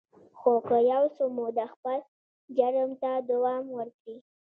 خو که يو څه موده خپل جرم ته دوام ورکړي.